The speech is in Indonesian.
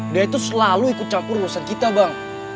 dia itu selalu ikut campur urusan kita bang